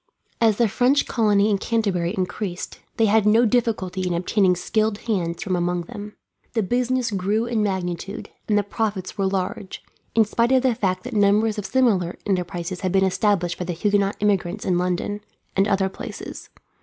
As the French colony in Canterbury increased, they had no difficulty in obtaining skilled hands from among them. The business grew in magnitude, and the profits were large, in spite of the fact that numbers of similar enterprises had been established by the Huguenot immigrants in London, and other places.